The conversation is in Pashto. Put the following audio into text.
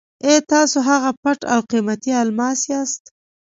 اې! تاسو هغه پټ او قیمتي الماس یاست.